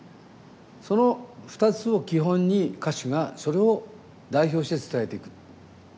その２つを基本に歌手がそれを代表して伝えていく。